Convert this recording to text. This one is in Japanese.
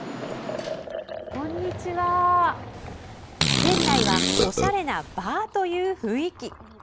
店内はおしゃれなバーという雰囲気。